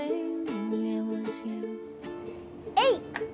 えい！